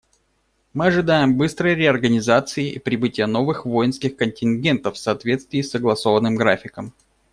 Мы ожидаем быстрой реорганизации и прибытия новых воинских контингентов в соответствии с согласованным графиком.